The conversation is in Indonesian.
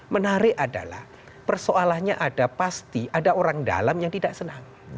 menarik adalah persoalannya ada pasti ada orang dalam yang tidak senang